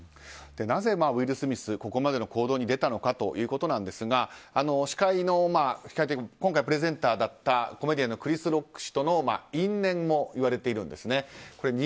なぜウィル・スミスがここまでの行動に出たのかということですが司会の今回プレゼンターだったコメディアンのクリス・ロック氏との因縁も言われているんですね。